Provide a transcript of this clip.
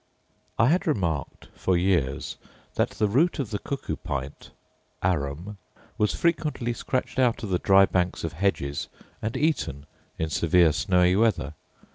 I had remarked, for years, that the root of the cuckoo pint (arum) was frequently scratched out of the dry banks of hedges, and eaten in severe snowy weather.